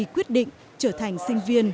quyết định trở thành sinh viên